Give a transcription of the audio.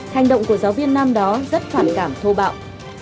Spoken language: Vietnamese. hành động của giáo viên nam đó rất phản cảm thô bạo